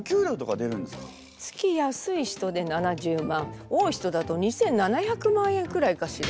月安い人で７０万多い人だと２，７００万円くらいかしら。